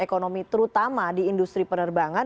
ekonomi terutama di industri penerbangan